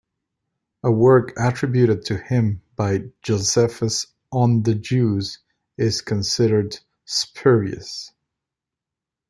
A work attributed to him by Josephus "On the Jews" is considered spurious.